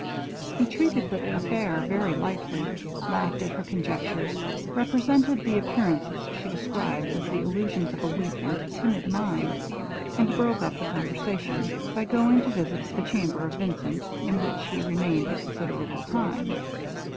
He treated the affair very lightly, laughed at her conjectures, represented the appearances she described as the illusions of a weak and timid mind, and broke up the conversation, by going to visit the chamber of Vincent, in which he remained a considerable time.